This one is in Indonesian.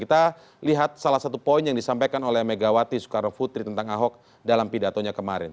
kita lihat salah satu poin yang disampaikan oleh megawati soekarno putri tentang ahok dalam pidatonya kemarin